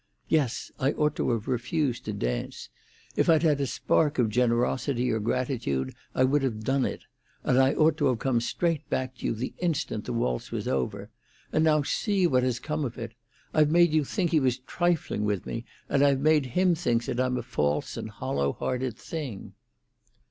Yes; I ought to have refused to dance—if I'd had a spark of generosity or gratitude I would have done it; and I ought to have come straight back to you the instant the waltz was done. And now see what has come of it! I've made you think he was trifling with me, and I've made him think that I'm a false and hollow hearted thing."